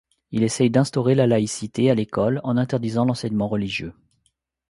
Il essaie d'instaurer la laïcité à l'école en interdisant l'enseignement religieux.